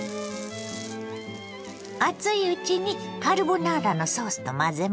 熱いうちにカルボナーラのソースと混ぜましょ。